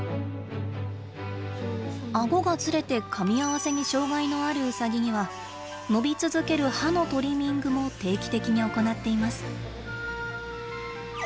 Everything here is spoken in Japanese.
顎がずれてかみ合わせに障害のあるウサギには伸び続ける歯のトリミングも定期的に行っています。